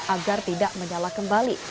agar tidak menyala kembali